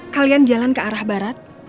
kalian jalan ke arah barat